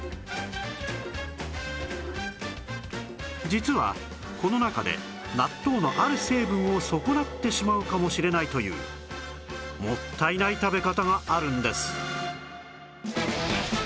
実はこの中で納豆のある成分を損なってしまうかもしれないというもったいない食べ方があるんです